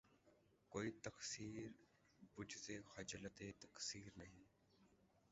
کوئی تقصیر بجُز خجلتِ تقصیر نہیں